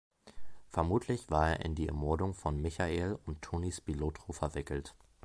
Vermutlich war er in die Ermordung von Michael und Tony Spilotro verwickelt.